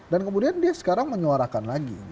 dan kemudian dia sekarang menyuarakan lagi